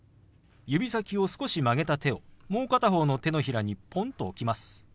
指先を少し曲げた手をもう片方の手のひらにポンと置きます。